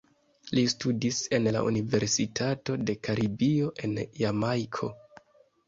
Li studis en la Universitato de Karibio en Jamajko.